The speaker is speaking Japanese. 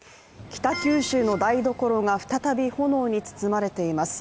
北九州の台所が再び炎に包まれています。